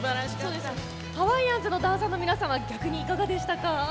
ハワイアンズのダンサーの皆さんは逆にいかがでしたか？